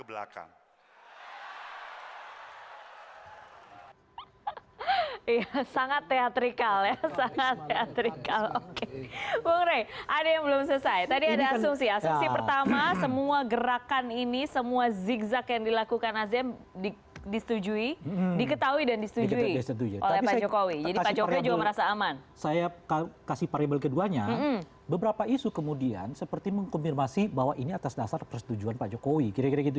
begitu klien begitu istimewa ada standard itu